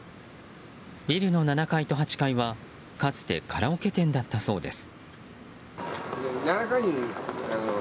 ビルの７階と８階はかつてカラオケ店だったそうです。